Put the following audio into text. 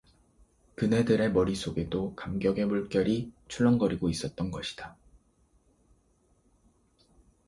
그네들의 머릿속에도 감격의 물결이 출렁거리고 있었던 것이다.